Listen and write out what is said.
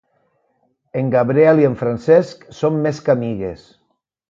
En Gabriel i en Francesc són més que amigues.